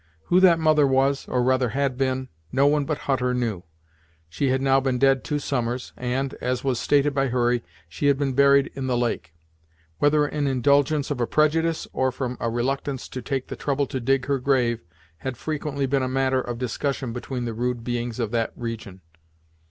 Who that mother was, or rather had been, no one but Hutter knew. She had now been dead two summers, and, as was stated by Hurry, she had been buried in the lake; whether in indulgence of a prejudice, or from a reluctance to take the trouble to dig her grave, had frequently been a matter of discussion between the rude beings of that region.